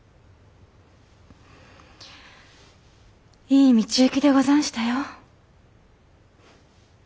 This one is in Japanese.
いい道行きでござんしたよ。